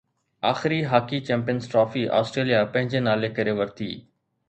آخري hockey Champions Trophy Australia پنهنجي نالي ڪري ورتي